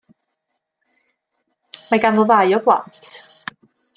Mae ganddo ddau o blant.